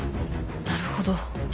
なるほど。